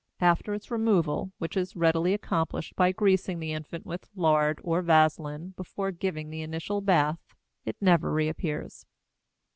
After its removal, which is readily accomplished by greasing the infant with lard or vaselin before giving the initial bath, it never reappears.